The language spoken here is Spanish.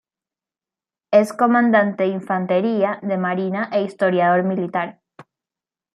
Es comandante de Infantería de Marina e historiador militar.